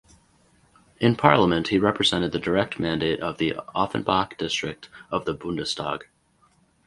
In parliament he represented the direct mandate of the Offenbach district of the Bundestag.